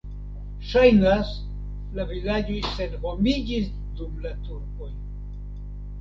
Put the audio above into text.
Ŝajnas, la vilaĝoj senhomiĝis dum la turkoj.